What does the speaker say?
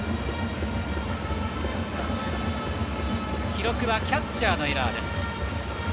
記録はキャッチャーのエラーです。